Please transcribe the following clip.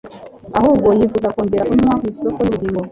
ahubwo yifuza kongera kunywa ku isiko y'ubugingo